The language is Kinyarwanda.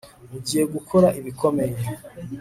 Ugiye gukora ibikomeye